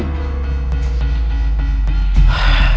kalau anda kasih